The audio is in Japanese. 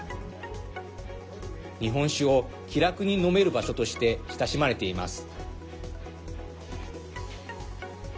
日本酒を気楽に飲める場所として親しまれています。